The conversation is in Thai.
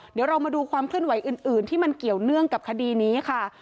เดี๋ยวเรามาดูความเคลื่อนไหวอื่นที่มันเกี่ยวเนื่องกับคดีนี้ค่ะ